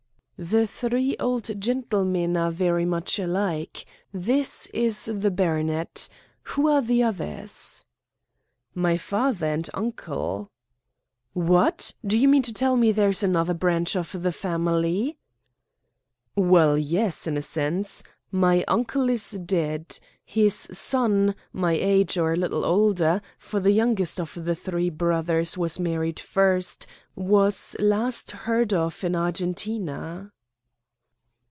"The three old gentlemen are very much alike. This is the baronet. Who are the others?" "My father and uncle." "What! Do you mean to tell me there is another branch of the family?" "Well, yes, in a sense. My uncle is dead. His son, my age or a little older, for the youngest of the three brothers was married first, was last heard of in Argentina."